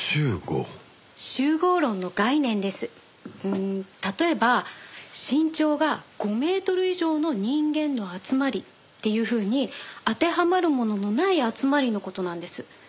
うん例えば身長が５メートル以上の人間の集まりっていうふうに当てはまるもののない集まりの事なんです。